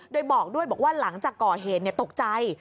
โดยบอกด้วยบอกว่าหลังจากก่อเหตุตกใจ